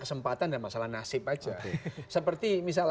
coba anda jelaskan tapi biar